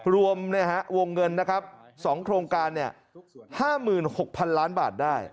รวมวงเงินนะครับ๒โครงการ๕๖๐๐๐ล้านบาทได้